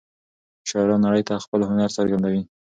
شاعران نړۍ ته خپل هنر څرګندوي.